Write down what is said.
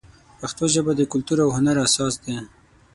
پښتو ژبه د کلتور او هنر اساس دی.